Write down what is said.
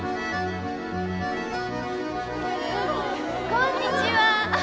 こんにちは。